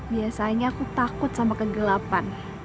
biasanya aku takut sama kegelapan